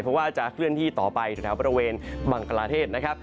เพราะว่าจะเคลื่อนที่ต่อไปแถวบริเวณบังกลาเทศนะครับ